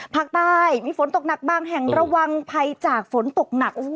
ภาคใต้มีฝนตกหนักบางแห่งระวังภัยจากฝนตกหนัก